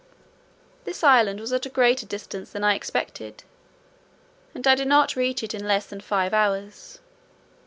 This island was at a greater distance than I expected, and I did not reach it in less than five hours.